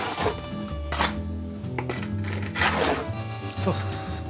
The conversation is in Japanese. そうそうそうそう。